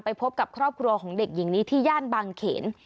พบกับครอบครัวของเด็กหญิงนี้ที่ย่านบางเขน